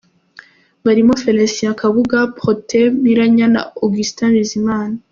Barimo Félicien Kabuga, Protais Mpiranya na Augustin Bizimana.